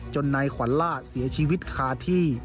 นายขวัญล่าเสียชีวิตคาที่